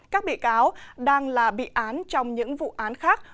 các bị cáo đang là bị án trong những vụ án khác